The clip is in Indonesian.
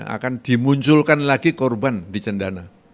akan dimunculkan lagi korban di cendana